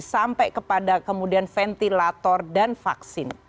sampai kepada kemudian ventilator dan vaksin